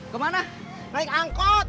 kemana naik angkot